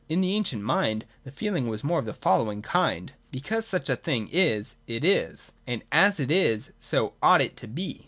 In the ancient mind the feeling was more of the following kind : Because such a thing is, it is, and as it is, so ought it to be.